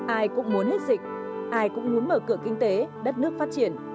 ai cũng muốn hết dịch ai cũng muốn mở cửa kinh tế đất nước phát triển